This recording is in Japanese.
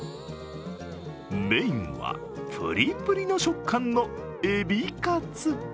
メインはプリプリの食感のえびカツ。